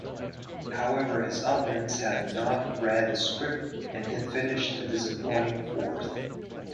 However, his opponents had not read the script and he finished a disappointing fourth.